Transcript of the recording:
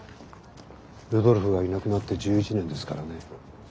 ルドルフがいなくなって１１年ですからね。